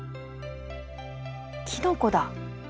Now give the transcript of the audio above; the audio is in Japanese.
キノコだ。